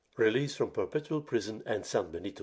Release from Perpetual Prison and Sanbenito.